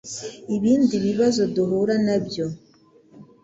Ibindi bibazo duhura nabyo